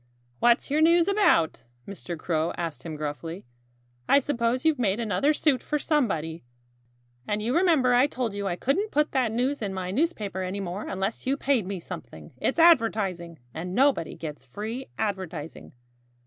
"What's your news about?" Mr. Crow asked him gruffly. "I suppose you've made another suit for somebody. And you remember I told you I couldn't put that news in my newspaper any more unless you paid me something. It's advertising. And nobody gets free advertising."